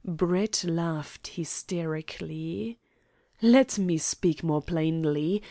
Brett laughed hysterically. "Let me speak more plainly.